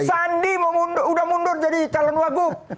sandi udah mundur jadi calon wagub